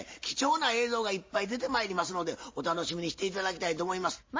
貴重な映像がいっぱい出てまいりますのでお楽しみにして頂きたいと思います。